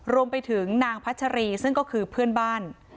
รวมไปถึงนางพัชรีซึ่งก็คือเพื่อนบ้าน